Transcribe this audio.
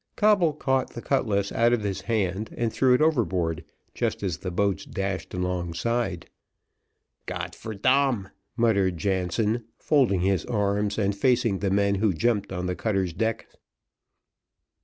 Coble caught the cutlass out of his hand, and threw it overboard, just as the boats dashed alongside. "Gott for dam," muttered Jansen, folding his arms and facing the men who jumped on the cutter's decks.